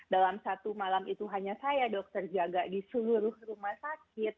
dalam satu malam itu hanya saya dokter jaga di seluruh rumah sakit